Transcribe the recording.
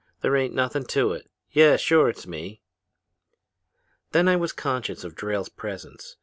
There ain't nothin' to it. Yeah! Sure it's me!' "Then I was conscious of Drayle's presence.